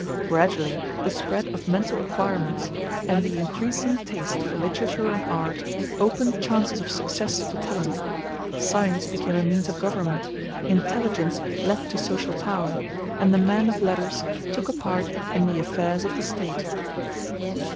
Gradually the spread of mental acquirements, and the increasing taste for literature and art, opened chances of success to talent; science became a means of government, intelligence led to social power, and the man of letters took a part in the affairs of the State.